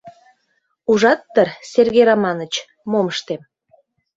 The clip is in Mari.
— Ужат дыр, Сергей Раманыч, мом ыштем.